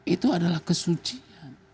itu adalah kesucian